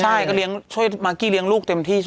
ใช่ก็ช่วยมากกี้เลี้ยงลูกเต็มที่